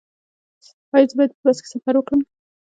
ایا زه باید په بس کې سفر وکړم؟